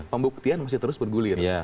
pembuktian masih terus bergulir